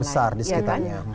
keluarga besar di sekitarnya